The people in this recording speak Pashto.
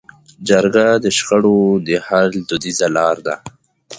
جرګه د شخړو د حل دودیزه لاره ده.